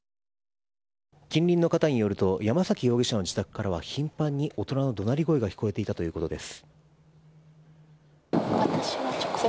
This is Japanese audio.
近隣の方によると山崎容疑者の自宅からは頻繁に大人の怒鳴り声が聞こえていたということです。